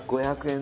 ５００円